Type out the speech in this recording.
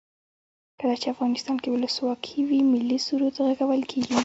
کله چې افغانستان کې ولسواکي وي ملي سرود غږول کیږي.